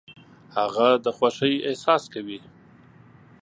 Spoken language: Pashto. هغه د خوښۍ احساس کوي .